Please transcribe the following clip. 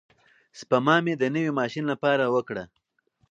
سپما مې د نوي ماشین لپاره وکړه.